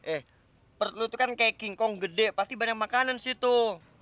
eh perut lo tuh kan kayak kingkong gede pasti banyak makanan sih tuh